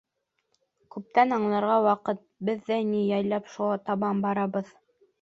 Күптән аңларға ваҡыт: беҙ ҙә яйлап шуға табан барабыҙ.